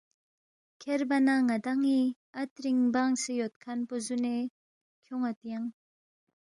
کھیربا نہ ن٘دان٘ی عطرِنگ بنگسے یودکھن پو زُونے کھیون٘ید ینگ